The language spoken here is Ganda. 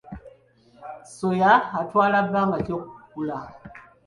Ssoya atwala bbanga ki okukula?